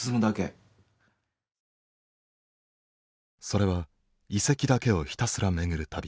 それは遺跡だけをひたすら巡る旅。